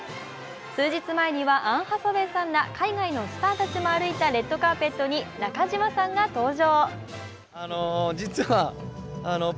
数日前にはアン・ハサウェイさんら海外のスターたちも歩いたレッドカーペットに中島さんが登場。